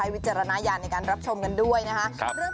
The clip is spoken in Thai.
วิจารณญาณในการรับชมกันด้วยนะคะ